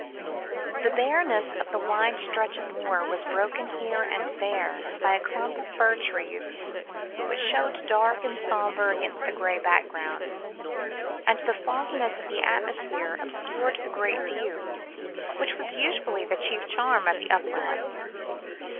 The bareness of the wide stretch of moor was broken here and there by a clump of fir trees, which showed dark and sombre against the grey background, and the fogginess of the atmosphere obscured the great view, which was usually the chief charm of the uplands.